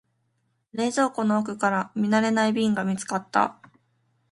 冷蔵庫の奥から見慣れない瓶が見つかった。